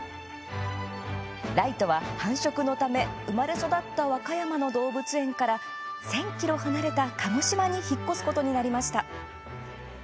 ライトは、繁殖のため生まれ育った和歌山の動物園から１０００ｋｍ離れた鹿児島に引っ越すことになりました。